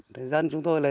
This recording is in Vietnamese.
thế dân chúng tôi là